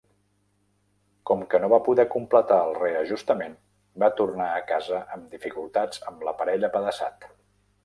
Com que no va poder completar el reajustament, va tornar a casa amb dificultats amb l'aparell apedaçat.